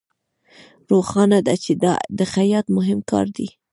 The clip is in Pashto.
روښانه ده چې دا د خیاط مهم کار دی